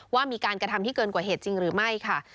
ว่ามีการกระทำที่เกินกว่าเหตุจริงหรือไม่ค่ะ